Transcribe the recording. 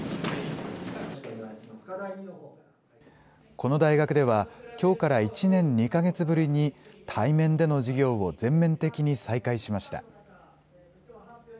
この大学では、きょうから１年２か月ぶりに、対面での授業を全面的に再開しました。